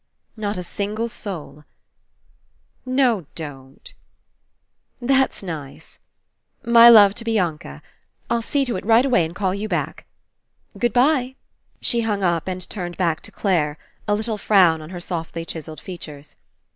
... Not a single soul. ... No, don't. .,.. That's nice. ... My love to Blanca. ... I'll see to It right away and call you back. ... Good bye." She hung up and turned back to Clare, a little frown on her softly chiselled features.